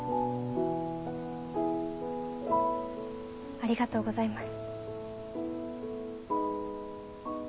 ありがとうございます。